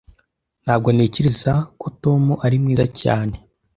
Ntabwo ntekereza ko Tom ari mwiza cyane.